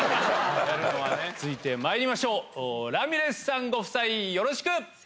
続いてまいりましょうラミレスさんご夫妻よろしく！